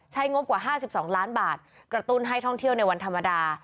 งบกว่า๕๒ล้านบาทกระตุ้นให้ท่องเที่ยวในวันธรรมดา